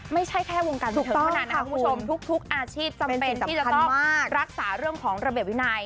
ไม่ใช่แค่วงการบันเทิงเท่านั้นนะคะคุณผู้ชมทุกอาชีพจำเป็นที่จะต้องรักษาเรื่องของระเบียบวินัย